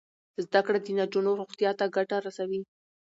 زده کړه د نجونو روغتیا ته ګټه رسوي.